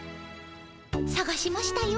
さがしましたよ。